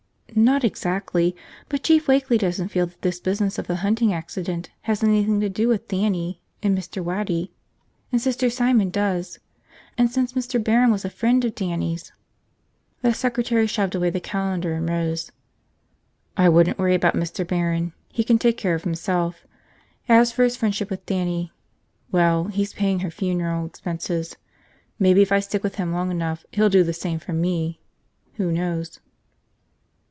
"Not exactly. But Chief Wakeley doesn't feel that this business of the hunting accident has anything to do with Dannie and Mr. Waddy, and Sister Simon does. And since Mr. Barron was a friend of Dannie's ..." The secretary shoved away the calendar and rose. "I wouldn't worry about Mr. Barron. He can take care of himself. As for his friendship with Dannie Grear – well, he's paying her funeral expenses. Maybe if I stick with him long enough, he'll do the same for me, who knows?"